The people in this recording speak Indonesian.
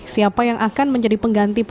siapa yang akan menjadi pengganti